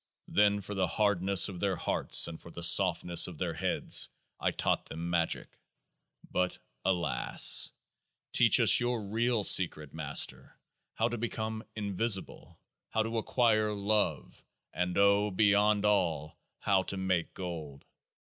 Then for the hardness of their hearts, and for the softness of their heads, I taught them Magick. But alas ! Teach us Your real secret, Master ! how to become invisible, how to acquire love, and oh ! beyond all, how to make gold.